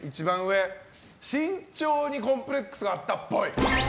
身長にコンプレックスがあったっぽい。